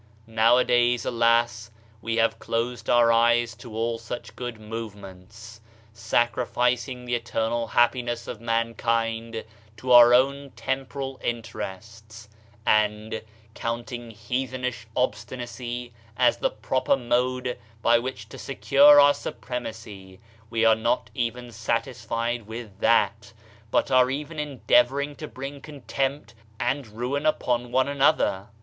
Nowadays, alas, we have closed our eyes to all such good movements, sacrificing the eternal hap piness of mankind to our own temporal interests, and, counting heathenish obstinacy as the proper mode by which to secure our supremacy, we are not even satisfied with that, but are even endeavor ing to bring contempt and ruin upon one another.